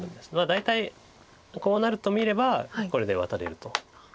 大体こうなると見ればこれでワタれると。